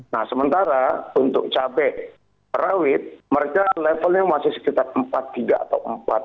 nah sementara untuk cabai rawit mereka levelnya masih sekitar empat tiga atau empat